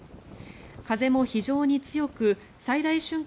風も非常に強く最大瞬間